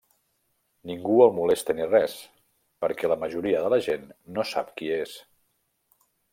Ningú el molesta ni res, perquè la majoria de la gent no sap qui és.